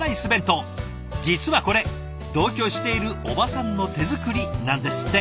実はこれ同居している伯母さんの手作りなんですって！